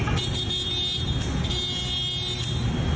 คุณผู้ชมค่ะ